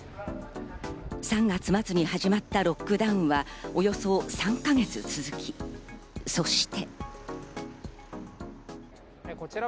３月末に始まったロックダウンは、およそ３か月続き、そして。